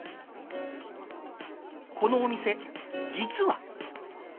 このお店実は。